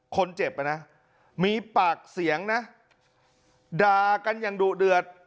คนเจ็บมีปากเสียงดากันอย่างดูเดือด